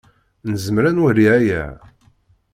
Nezmer ad nwali aya.